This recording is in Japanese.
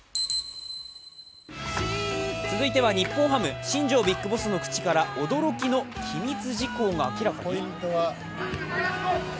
続いては日本ハム、新庄ＢＩＧＢＯＳＳの口から驚きの秘密事項が明らかに。